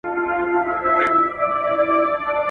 ګټه په تاوان کېږي `